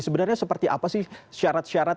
sebenarnya seperti apa sih syarat syarat